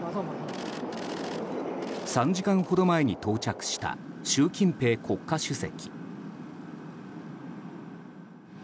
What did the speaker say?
３時間ほど前に到着した習近平国家主席。